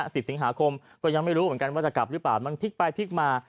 สิบสิงหาคมก็ยังไม่รู้เหมือนกันว่าจะกลับหรือเปล่ามันพลิกไปพลิกมา